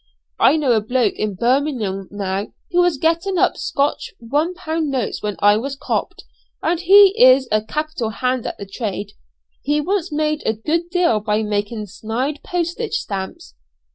I know a bloke in Birmingham now, who was getting up Scotch one pound notes when I was 'copt,' and he is a capital hand at the trade. He once made a good deal by making snyde postage stamps."